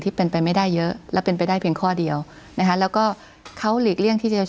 คุณปริณาค่ะหลังจากนี้จะเกิดอะไรขึ้นอีกได้บ้างเพื่อที่ให้เขาและสภาหรือและรัฐบาลเนี่ยคุยกันได้บ้าง